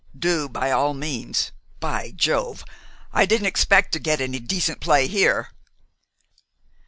"Do, by all means. By Jove! I didn't expect to get any decent play here!"